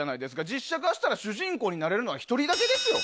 実写化したら主人公になれるのは１人だけですよ。